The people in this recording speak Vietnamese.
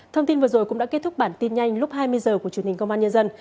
thông tin vừa rồi cũng đã kết thúc bản tin nhanh lúc hai mươi h của truyền hình công an nhân dân